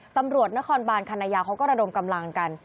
ตำรวจนครบานคันนายาเขาก็ระดมกำลังกัน